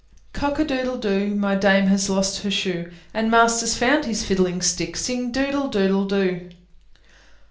Cock a doodle doo! My dame has lost her shoe, And master's found his fiddling stick; Sing doodle doodle doo!